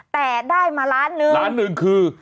แต่ได้มาล้านหนึ่งล้านหนึ่งคือ